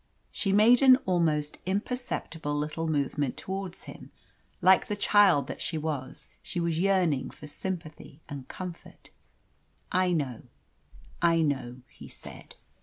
She made an almost imperceptible little movement towards him. Like the child that she was, she was yearning for sympathy and comfort. "I know I know," he said.